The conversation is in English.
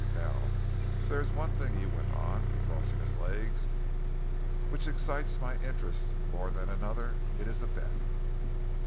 Now if there is one thing," he went on, crossing his legs, "which excites my interest more than another, it is a bet."